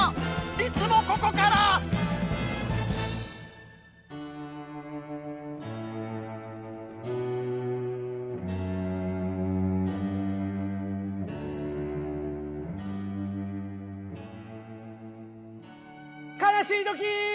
いつもここから悲しい時。